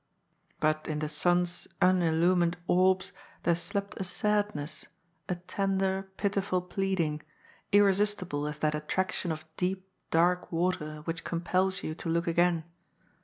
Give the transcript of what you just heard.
But in the son's unillumined orbs there slept a sadness, a tender, pitiful pleading, irresistible as that attraction of deep, dark water which compels you to look again.